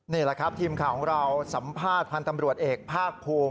นี่แหละครับทีมข่าวของเราสัมภาษณ์พันธ์ตำรวจเอกภาคภูมิ